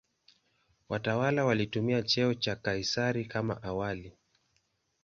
Watawala walitumia cheo cha "Kaisari" kama awali.